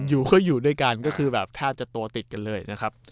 อยู่ก็อยู่ด้วยกันก็คือแบบแทบจะตัวติดกันเลยนะครับ